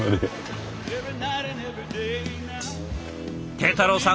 慶太郎さん